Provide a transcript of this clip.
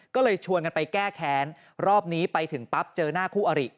ก็เลยชวนกันไปแก้แค้นรอบนี้ไปถึงปั๊บเจอหน้าคู่อริ